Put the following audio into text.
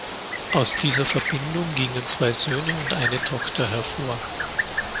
Aus dieser Verbindung gingen zwei Söhne und eine Tochter hervor.